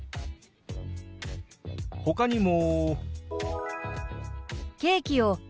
ほかにも。